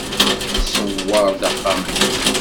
Tṣewwer-d axxam-nni.